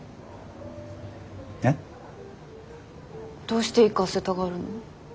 どうして行かせたがるの？